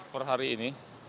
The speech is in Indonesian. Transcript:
per hari ini